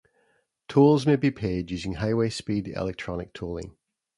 Tolls may be paid using highway-speed electronic tolling.